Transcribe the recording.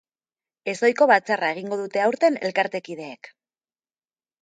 Ezohiko batzarra egingo dute aurten elkartekideek.